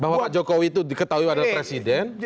bawa jokowi itu diketahui adalah presiden